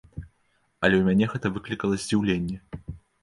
Але ў мяне гэта выклікала здзіўленне.